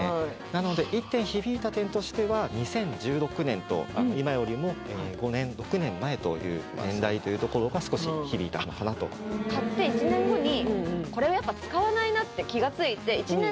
なので一点響いた点としては２０１６年と今よりも５年６年前という年代というところが少し響いたのかなと気が付いてえそうですね